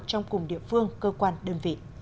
trong cùng địa phương cơ quan đơn vị